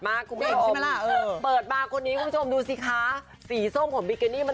มากคุณผู้ชมเปิดมาคนนี้คุณผู้ชมดูสิคะสีส้มของมันตัดกับสีขาว